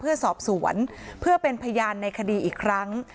เพื่อสอบสวนเพื่อเป็นพยานในคดีอีกครั้ง